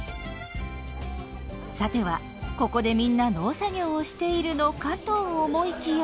さてはここでみんな農作業をしているのかと思いきや。